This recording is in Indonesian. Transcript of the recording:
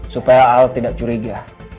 supaya al tidak curiga